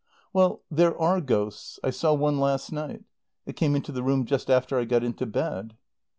"Well there are ghosts. I saw one last night. It came into the room just after I got into bed."